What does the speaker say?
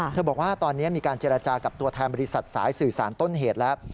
บอกว่าตอนนี้มีการเจรจากับตัวแทนบริษัทสายสื่อสารต้นเหตุแล้ว